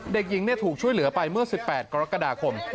เด็กหญิงถูกช่วยเหลือไปเมื่อ๑๘กรกฎาคม